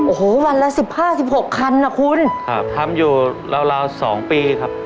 โอ้โหวันละสิบห้าสิบหกคันนะคุณครับทำอยู่ราวราวสองปีครับ